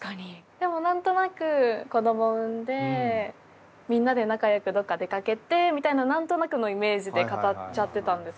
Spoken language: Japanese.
でも何となく子ども産んでみんなで仲よくどっか出かけてみたいな何となくのイメージで語っちゃってたんですけど。